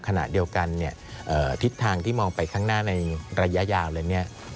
ขณะเดียวกันทิศทางที่มองไปข้างหน้าในระยะยาวเลย